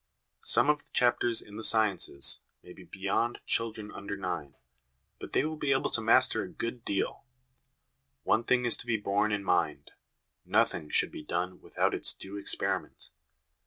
Some of the chapters in The Sciences may be beyond children under nine, but they will be able to master a good deal. One thing is to be borne in mind : nothing should be done with out its due experiment.